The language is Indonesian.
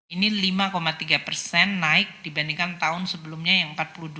ini lima tiga persen naik dibandingkan tahun sebelumnya yang empat puluh dua